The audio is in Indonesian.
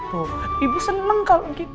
tuh ibu seneng kalo gitu